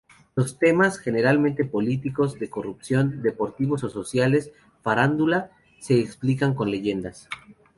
Los temas, generalmente políticos, de corrupción, deportivos o sociales, farándula, se explican con leyendas.